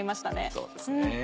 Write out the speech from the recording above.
そうですね。